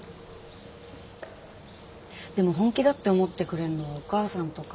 でも本気だって思ってくれるのはお母さんとかだけだな。